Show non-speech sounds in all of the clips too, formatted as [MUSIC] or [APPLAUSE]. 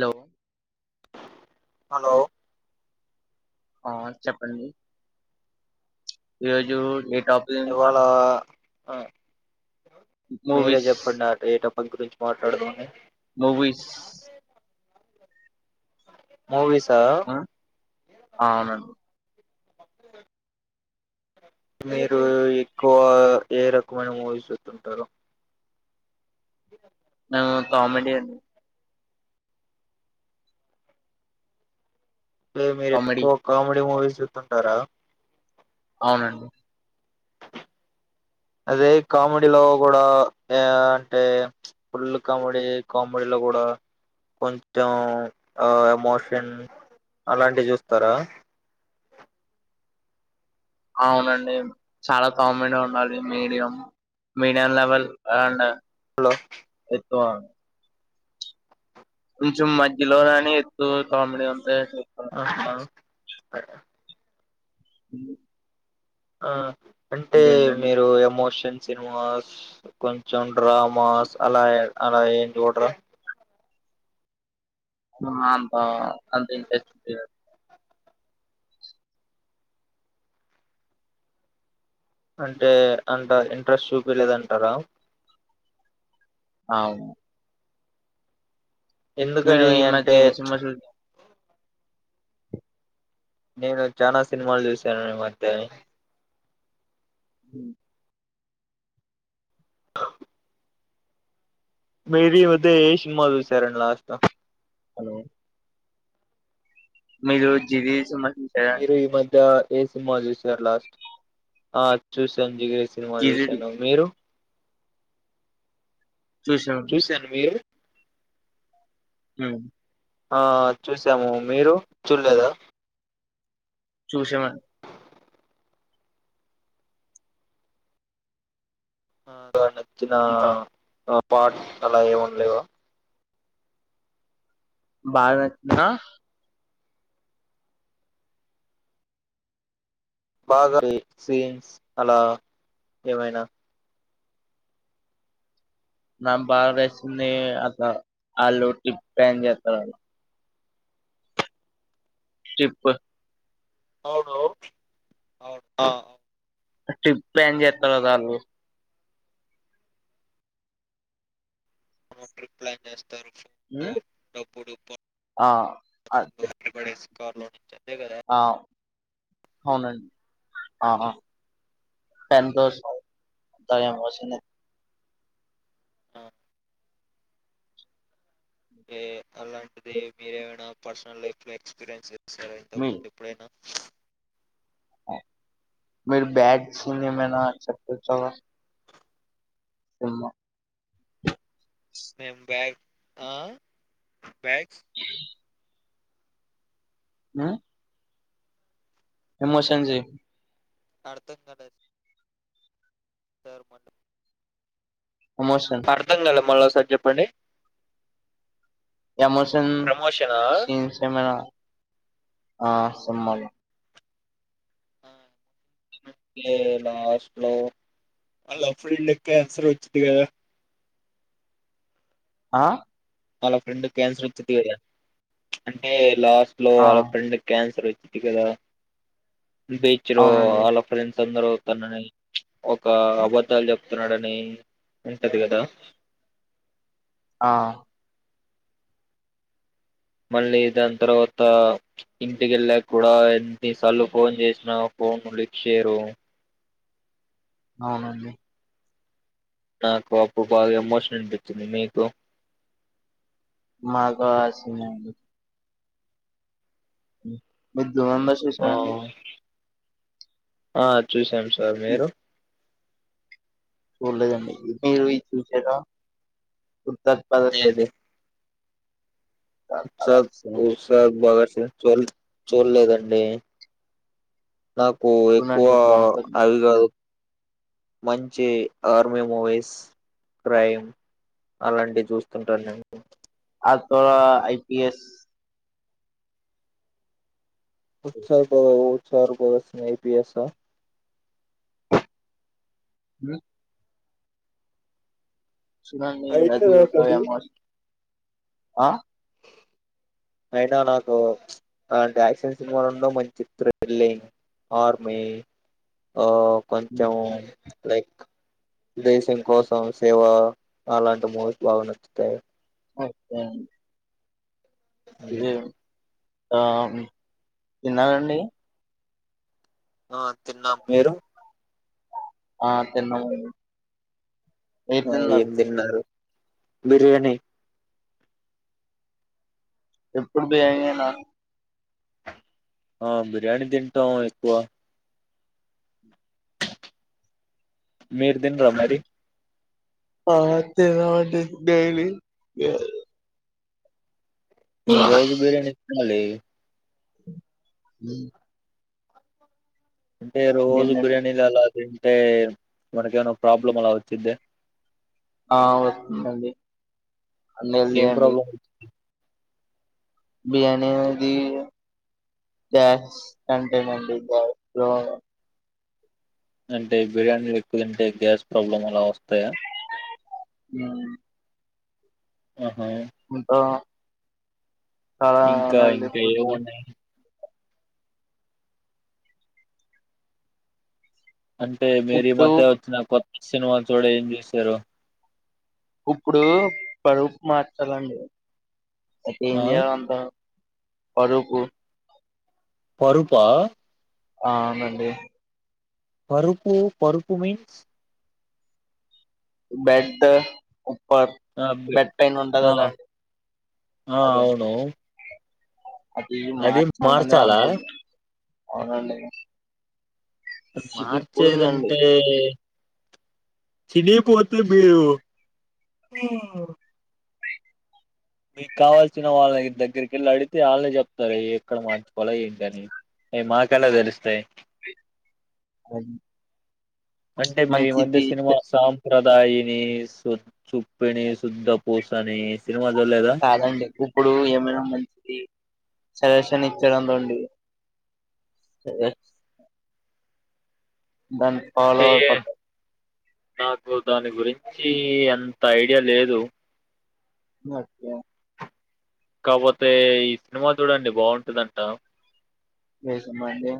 లో హలో ఆ చెప్పండి ఈరోజు టాపిక్ ఇవాళ మీరే మూవీస్ చెప్పండి అ ఏటప్ క్ గురించి మాట్లాడదాని మూవీస్ మూవీసా ఆ అవునండి మీరు ఎక్కువ ఏ రకమైన మూవీస్ చుస్తుంటారు ఇ ఆ కామిడియన్ అ మీరు కామెడీ ఎక్కువ కామెడీ మూవీస్ చూస్తుంటారా అవునండి అదే కామెడీలో కూడా ఆ అంటే ఫుల్ కామెడీ కామెడీలో కూడా కొంచెం ఆ ఎమోషన్ అలాంటివి చూస్తారా? అవునండి చాలా కామెడి ఉండాలి మీడియం మీడియాం లెవెల్ అండి హలో స్వా కొంచెం మధ్యలోనని ఎత్తు కామెడీ అంత చె అయినా ఉ ఆ అంటే మీరు ఎమోషన్ సినిమా కొంచెం డ్రామాస్ అలా అలా ఏం చూడరా బా అదే పెద్ద అంటే అంత ఇంట్రెస్ట్ చూపియలేదంటారా అ అవును మీరు ఎందుకని ఈ అంటే మధ్య ఏ సినిమా చూ నేను చానా సినిమాలు చూశాను మీ మధ్య నే హ అ మెర మ ఏషిమాధు చూసారండీ లాస్ట్ లా హలో మీరు జిడియస్ మీరు ఈ మధ్య ఏ సినిమా చూసారు లాస్ట్ ఆ చూసంజిగ సినిమా జిది చూశాను మీరు చూసాం చూశాను మీరు హమ్ ఆ చూసాము మీరు చూడలేదా చూసిన అ నచ్చిన అంత పాట అలా ఏముండలేవా బారత్ అ బాగా ఈ సీన్స్ అలా ఏవైనా నా బారసని అ ఆలుూటి ప్యాన్ చేతారు చెప్పు అవును అవును అ ట్రిప్ ప్లాన్ చేస్తారు కదా వాళ్ళు ట్రిప్ ప్లాన్ చేస్తా ఫో ఉమ్ డబ్బడుడే ఆ అ కార్ లో [UNINTELLIGIBLE] ఆ అవునండి ఆ ఆ సంతోషం దయ ఆ ఏ అలాంటిది మీరేమైనా పర్సనల్ లైఫ్ లో ఎక్స్పీరియన్స్ చేస్తారా ఇంతకు మీ ముందు ఎప్పుడైనా మీరు బ్యాడ్ సూన్యమైన చెప్పొచ్చు కదా సమ్మా మేం బ్యాగ్ ఆ బ్యాగ్ ఆ ఎమోషన్ చెయ్ అర్థం కాలేదు సారు మాట ఎమోషన్ అర్థం కాల మల్లొక సారి చెప్పండి ఎమోషన్ ప్రమోషనా సీన్స్ ఏమైనా ఆ సిన్మా లొ [INAUDIBLE] లాస్ట్ లొ వాళ్ళ ఫ్రెండ్ కి క్యాన్సర్ వచ్చిది కదా ఆ వాళ్ళ ఫ్రెండ్ కి క్యాన్సర్ వచ్చిది కదా అంటే లాస్ట్ లో ఆ వాళ్ళ ఫ్రెండ్ కి క్యాన్సర్ వచ్చిది కదా బీచ్ లో అవునండి వాళ్ళ ఫ్రెండ్స్ అందరు తనని ఒక అబద్ధాలు చెప్తున్నాడని ఉంటది కదా ఆ మళ్ళీ దాని తర్వాత ఇంటికెళ్ళాక కూడా ఎన్నిసార్లు ఫోన్ చేసినా ఫోన్ లిఫ్ట్ చేయరు అవునండి నాకు అప్పుడు బాగా ఎమోషన్ అనిపించింది మీకు నాకు ఆ సీనే అండీ మీరు దురందర్ ఆ చూసారండి ఆ చూసాను సార్ ఇది మీరు చూడలేదండి మీరు ఇది చూసారా ఉస్తాద్ భగత్సింగ్ ఉచ్చాద్ ఉస్తాద్ భగత్ సింగ్ చూల్ చూడలేదండి నాకు ఎక్కువ చూడండి బాగుంటది అవి కాదు మంచి ఆర్మీ మూవీస్ క్రైమ్ అలాంటివి చూస్తుంటాను నేను ఆతడో ఐ పిఎస్ ఉస్తాద్ బ Ustaad Bhagat Singh I P S ఆ హ్ చూడండి అయినా అది నాకు ఒక ఎమోషన్ ఆ అయినా నాకు అలాంటి యాక్షన్ సినిమాలుండడం మంచి థ్రిల్లింగ్ ఆర్మి ఆ ఉమ్. కొంచం లైక్ దేశం కోసం సేవ అలాంటి మూవీస్ బాగా నచ్చుతాయి ఓకే అండి ఇది ఆ తిన్నారండి ఆ తిన్నాం మీరు ఆ తిన్నామండి ఆ ఏం తిన్నారు బిర్యానీ ఎప్పుడు బొయినా ఆ బిర్యానీ తింటాం ఎక్కువ మీరు తినరా మరి ఆ తిన్నామండి డైలీ మీరు రోజు బిర్యానీ తినాలి అ అంటే రోజు ఇంకేంటండి బిర్యానీలు అలాదింటె అంటే మనకేమన్న ప్రాబ్లం అలా వచ్చిదా ఆ వస్తుందండి అన్ని హెల్తీ ఏం ప్రాబ్లమ్ వచ్చిది బిర్యాని అది గ్యాస్ కంటేనండి గ్యాస్ లో అంటే బిర్యానీ ఎక్కు తంటే గ్యాస్ ప్రాబ్లం అలా వస్తాయా మ్ ఆహా ఉంటా ఇంకా చానా ఉంది ఇంకా ఫుడ్డు ఏమున్నాయి అంటే మరీ ఇప్పుడు మధ్య వచ్చిన కొత్త సినిమాలో చూడ ఏం చేశారు ఇప్పుడు పరుపు మార్చాలండి ఆ పరుపు పరుపా అవునండి పరుపు పరుపు మీన్స్ బెడ్ పరప్ ఆ బెడ్ పైన ఉంటది ఆ కదండి ఆ అదండి అవును అది మార్చాలనే అంటున్న అవునండి చిరిగిపోయిందండి మార్చేదంటే చినిగిపోతుందేమో మీకు కావాల్సిన వాళ్ళ దగ్గరికిళ్ళి అడితే వాళ్ళని చెప్తారు ఎక్కడ మార్చుకోవాల ఏంటి అని అయి మాకెలా తెలుస్తాయి అవు అంటే మీ ఈ మధ్య సినిమా సాం ప్రదాయిని సు చుప్పిణి శుద్ధ పూసని సినిమా చూడలేదా కాదండి ఇప్పుడు ఏమైనా మంచిది సజెషన్ ఇచ్చడంతోండి దాన్ని ఫాలో అంటే అయిపోతాం నాకు దాని గురి చ్చి అంత ఐడియా లేదు ఓకే కాకపోతే ఈ సినిమా చూడండి బాగుంటందంట ఎస్ అమ్మాయిది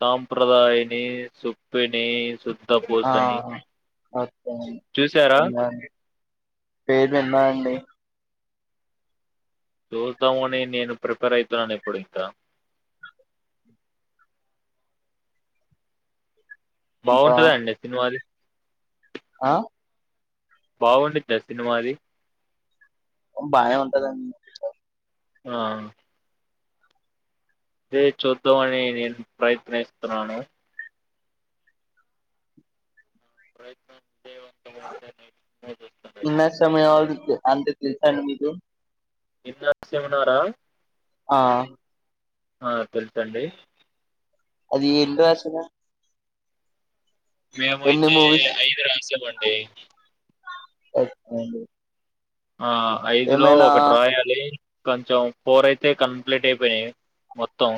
సాంప్రదాయని సుప్పిని శుద్ధపూసణి అఓడి ఎడి పేరు ఇన్నా అండి చూతావుని నేను ప్రిపేర్ అయిత నన్న ఎప్పుడు ఇకా ఇంకా బాగుంటదా అండి సినిమాది ఆ బాగుండిద్ద సినిమాది బానే ఉంటదండి ఆ అదే చూద్దామని నేను ప్రయత్నిస్తున్నాను ప్రయత్నంస్తే వంతే నీ మోది ఇన్న సమయం అవు అంటే తెలుసా అండి మీకు దీంట్లో ఆశ ఏం ఉన్నది రా ఆ ఆ తెలుసండి అది ఏం ఫ్యాషను మేమయితే ఐదు రాసా మన ఎస్ ఆ అండి ఆ ఐదులో ఏమైనా ఒకటి రాయాలి కొంచం ఫోర్ అయితే కంప్లీట్ అయిపోయినాయి మొత్తం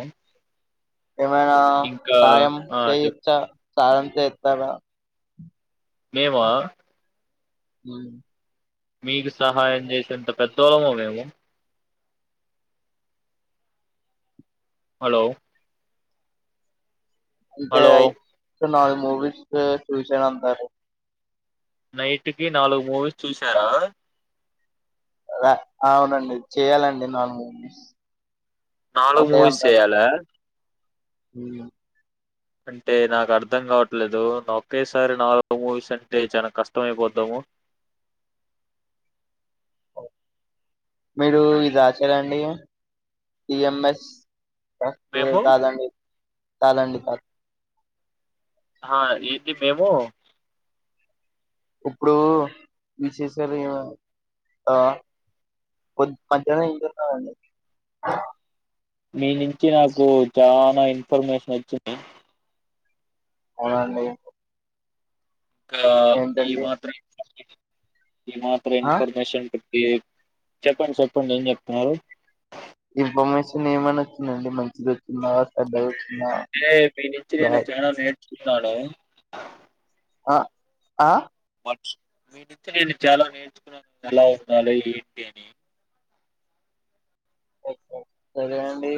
ఏమైనా ఇంకా సాయం ఆ! చెప్ చేయిచ్చా సాయం చేస్తారా మేమా మ్ మీకు సహాయం చేసేంత పెద్దోళ్ళమ మేము హలో అంటే హలో నాలుగు మూవీస్ చూసాను అంటారు. నైట్ కి నాలుగు మూవీస్ చూసారా అవునండి చేయాలండి నాలుమూవీస్ నాలుగు మూవీస్ చేయాల మ్మ్ అంటే నాకు అర్థం కావట్లేదు ఒకేసారి నాలుగు మూవీస్ అంటే చాన కష్టం అయిపోద్దెమో మీరు ఇది రాశారండి ఇ ఎంఎస్ అ ఏం మేము కాదు అండి కాదండి కాద్ ఆహా ఏంది మేము ఇప్పుడు విశేషాలేవు అండి ఆ కొద్ అంతేనా ఇంకేం కావాలి అండి మీ నించి నాకు చనా ఇన్ఫర్మేషన్ వచ్చింది అవునాండి కా ఈ మాత్రం ఇన్ ఈ మాత్రం ఆ ఇన్ఫర్మేషన్ ఈ చెప్పండి చెప్పండి ఏం చెప్తున్నారు ఇన్ఫర్మేషన్ ఏమని వచ్చిందండి మంచిది వచ్చిందా చెడ్డ అరే మీ నించి చానా నేర్చుకున్నాను అ ఆ మీ నించి నేను చాలా నేర్చుకున్నా ఎలా ఉండాలి ఏంటి అని సరే అ నీ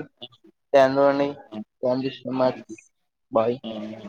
ఎన్ రోల్ని ఆ, ఎన్ జిస్స్ న్నారు బాయ్ ఆ, ఆ.